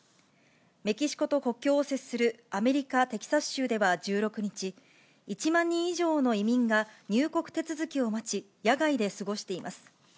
メキシコと国境を接するアメリカ・テキサス州では１６日、１万人以上の移民が入国手続きを待ち、野外で過ごしています。